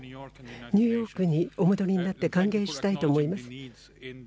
ニューヨークにお戻りになって歓迎したいと思います。